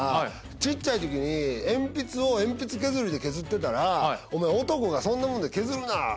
小っちゃい時に鉛筆を鉛筆削りで削ってたら「男がそんなもんで削るな！